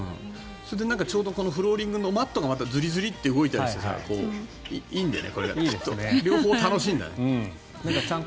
それで、ちょうどフローリングのマットがズリズリって動いたりしてさいいんだよね、これがきっと。